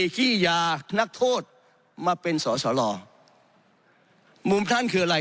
ขี้ยานักโทษมาเป็นสอสอรอมุมท่านคืออะไร